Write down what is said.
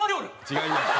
違います。